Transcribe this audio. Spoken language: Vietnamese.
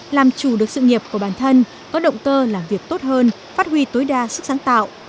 làm chủ được sự nghiệp của bản thân có động cơ làm việc tốt hơn phát huy tối đa sức sáng tạo